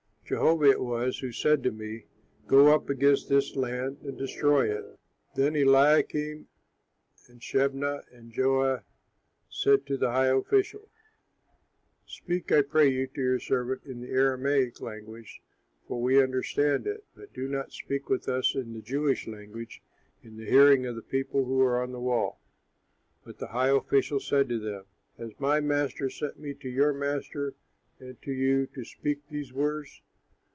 Jehovah it was who said to me, 'Go up against this land and destroy it.'" Then Eliakim and Shebnah and Joah said to the high official, "Speak, I pray you, to your servants in the Aramaic language, for we understand it; but do not speak with us in the Jewish language in the hearing of the people who are on the wall." But the high official said to them, "Has my master sent me to your master and to you to speak these words?